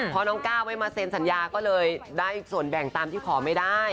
พอน้องก้าวไม่มาเซ็นสัญญาก็เลยได้ส่วนแบ่งตามที่ขอไม่ได้